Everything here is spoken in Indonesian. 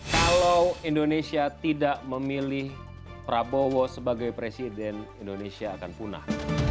kalau indonesia tidak memilih prabowo sebagai presiden indonesia akan punah